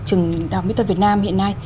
trường đồng mỹ thuật việt nam hiện nay